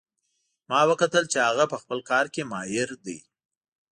ما وکتل چې هغه په خپل کار کې ماهر ده